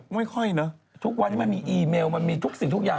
ไม่ค่อยเนอะทุกวันนี้มันมีอีเมลมันมีทุกสิ่งทุกอย่าง